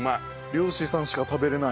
漁師さんしか食べれない。